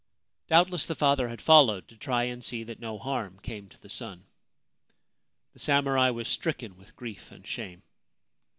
Doubt less the father had followed to try and see that no harm came to the son. The samurai was stricken with grief and shame.